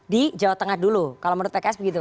di jawa tengah dulu kalau menurut pks begitu